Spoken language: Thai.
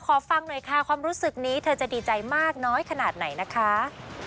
ฟังหน่อยค่ะความรู้สึกนี้เธอจะดีใจมากน้อยขนาดไหนนะคะ